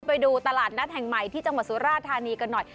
ไปดูตลาดนัดแห่งใหม่ที่จังหวัดสุราธานีกันหน่อย